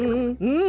うん。